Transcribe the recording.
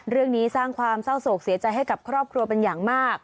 เรื่องนี้สร้างความเศร้าโศกเสียใจให้กับครอบครัวเป็นอย่างมาก